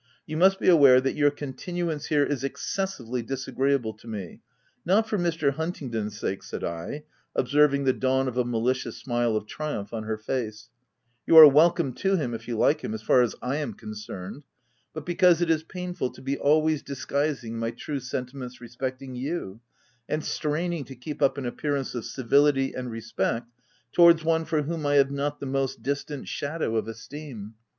You must be aware that your continuance here is excessively disagree able to me — not for Mr. Huntingdon's sake/' said I, observing the dawn of a malicious smile of triumph on her face — u You are welcome to him, if you like him, as far as / am concerned — but because it is painful to be always dis guising my true sentiments respecting you, and straining to keep up an appearance of civility and respect towards one for whom I have not the most distant shadow of esteem ; OF WILDFELL HALL.